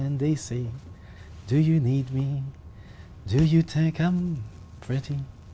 anh nghĩ mình đẹp không